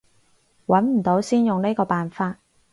揾唔到先用呢個辦法